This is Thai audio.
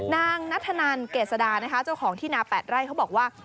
นางนัทธนันเกษดานะคะเจ้าของที่นา๘ไร่เขาบอกว่า